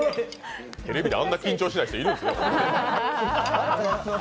テレビであんなに緊張しない人、いるんですね。